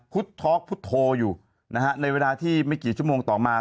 พุดทอล์กพุดโทรอยู่นะฮะในเวลาที่ไม่กี่ชั่วโมงต่อมา